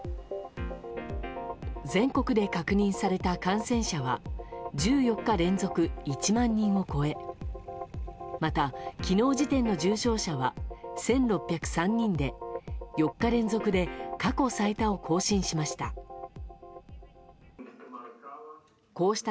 全国で確認された感染者は１４日連続１万人を超えまた昨日時点での重症者は１６０３人で４日連続で過去最多を更新しました。